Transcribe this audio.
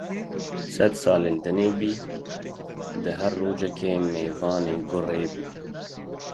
Sed salî li dinê bî, dê her rojekê mêvanê gorrê bî